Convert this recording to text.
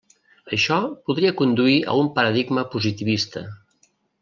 Això podria conduir a un paradigma positivista.